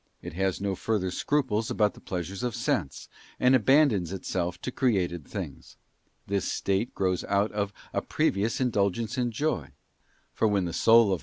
It has no further scruples about the pleasures of sense, and abandons itself to created things. This state grows out of a previous indulgence in joy, for when the soul of man is * Wisd. iv. 12.